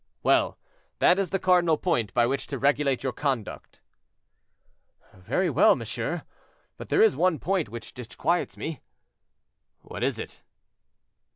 "Well! that is the cardinal point by which to regulate your conduct." "Very well, monsieur; but there is one point which disquiets me." "What is it?"